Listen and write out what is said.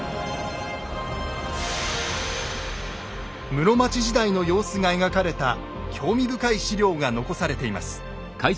室町時代の様子が描かれた興味深い史料が残されています。